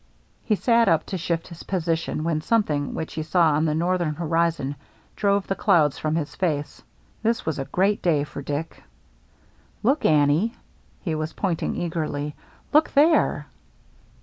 He sat up to shift his position, when some thing which he saw on the northern horizon drove the clouds from his face. This was a great day for Dick. " Look, Annie !" He was pointing eagerly. " Look there